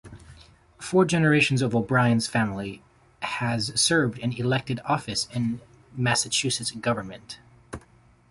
Four generations of O'Brien's family has served in elected office in Massachusetts government.